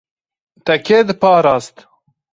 Te kê diparast?